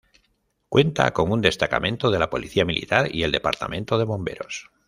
Cuenta con un destacamento de la policía militar y el Departamento de Bomberos.